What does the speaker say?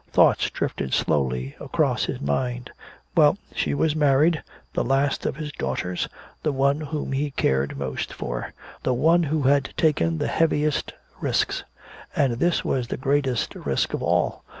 Thoughts drifted slowly across his mind. Well, she was married, the last of his daughters, the one whom he cared most for, the one who had taken the heaviest risks. And this was the greatest risk of all.